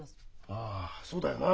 ああそうだよな。